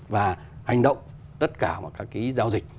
và hành động tất cả các cái giao dịch